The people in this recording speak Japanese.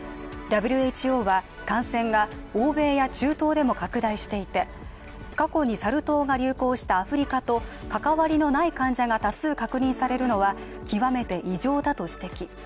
ＷＨＯは感染が欧米や中東でも拡大していて過去にサル痘が流行したアフリカと関わりのない患者が多数確認されるのは極めて異常だと指摘。